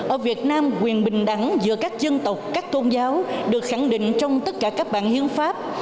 ở việt nam quyền bình đẳng giữa các dân tộc các tôn giáo được khẳng định trong tất cả các bản hiến pháp